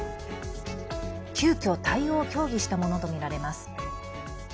急きょ対応を協議したものとみられます。